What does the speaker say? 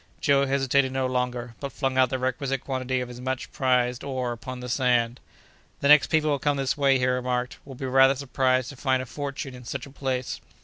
Joe hesitated no longer, but flung out the requisite quantity of his much prized ore upon the sand. "The next people who come this way," he remarked, "will be rather surprised to find a fortune in such a place."